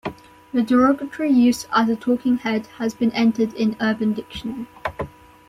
The derogatory use as a "talking head" has been entered in Urban Dictionary.